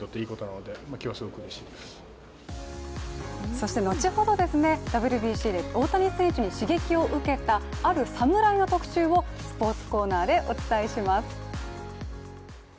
そして後ほど、ＷＢＣで大谷選手に刺激を受けたある侍の特集をスポーツコーナーでお伝えします。